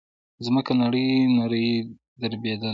ځمکه نرۍ نرۍ دربېدله.